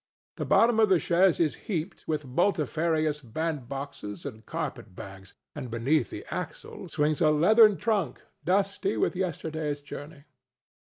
The bottom of the chaise is heaped with multifarious bandboxes and carpet bags, and beneath the axle swings a leathern trunk dusty with yesterday's journey.